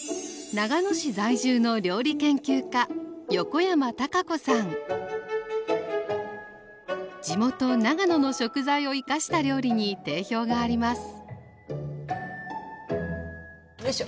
長野市在住の地元長野の食材を生かした料理に定評がありますよいしょ！